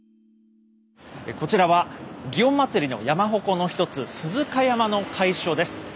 こちらは園祭の山鉾の一つ鈴鹿山の会所です。